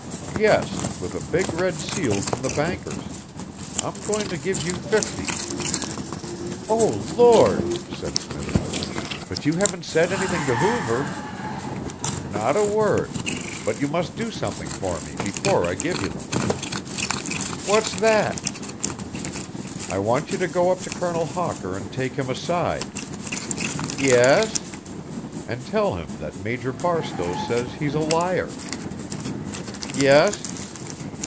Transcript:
"Yes, with a big red seal from the bankers. I'm going to give you fifty." "Oh, Lord," said Smithers, "but you haven't said anything to Hoover?" "Not a word but you must do something for me before I give you them." "What's that?" "I want you to go up to Colonel Hawker and take him aside." "Yes?" "And tell him that Major Barstowe says he's a liar." "Yes."